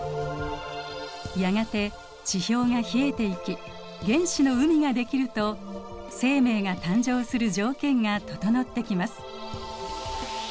やがて地表が冷えていき原始の海ができると生命が誕生する条件が整ってきます。